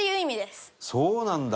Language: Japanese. そうなんだ。